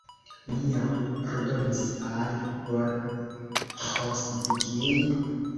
Mi jam ordonis al Bolĥovskij.